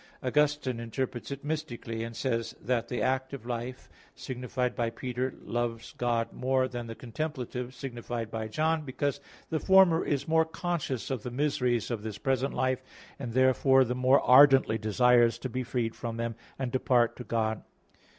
Augustine interprets it mystically, and says that the active life, signified by Peter, loves God more than the contemplative signified by John, because the former is more conscious of the miseries of this present life, and therefore the more ardently desires to be freed from them, and depart to God.